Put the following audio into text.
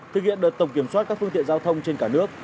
thực hiện đợt tổng kiểm soát các phương tiện giao thông trên cả nước